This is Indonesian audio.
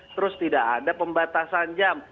terus tidak ada pembatasan jam